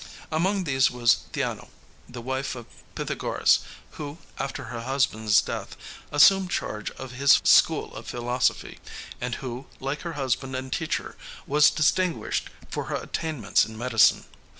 Among these was Theano, the wife of Pythagoras, who, after her husband's death, assumed charge of his school of philosophy, and who, like her husband and teacher, was distinguished for her attainments in medicine.